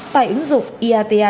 tại ứng dụng iata travel pass